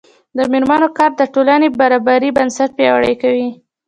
د میرمنو کار د ټولنې برابرۍ بنسټ پیاوړی کوي.